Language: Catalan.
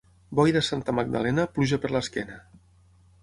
Boira a Santa Magdalena, pluja per l'esquena.